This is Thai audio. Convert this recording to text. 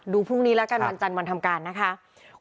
พรุ่งนี้แล้วกันวันจันทร์วันทำการนะคะ